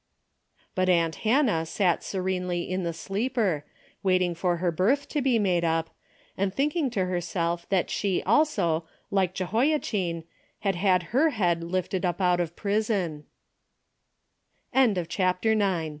But aunt Hannah sat serenely in the sleeper, waiting for her berth to be made up, and thinking to herself that she also, like Jehoia chin, had had her head lifted up out of prison.